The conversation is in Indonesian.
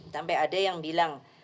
sampai ada yang bilang